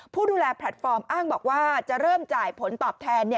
ผู้ดูแลแพลตฟอร์มอ้างบอกว่าจะเริ่มจ่ายผลตอบแทน